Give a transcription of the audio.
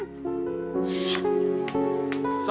bajak kamu sudah selesai